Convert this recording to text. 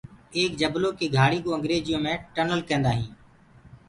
ايڪ جبلو ڪي گھآݪ ڪُو انگريجيو مي ٽنل ڪيندآ هي۔